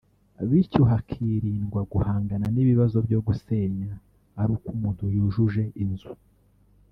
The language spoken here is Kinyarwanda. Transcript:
bityo hakirindwa guhangana n’ibibazo byo gusenya ari uko umuntu yujuje Inzu